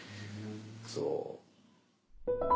そう。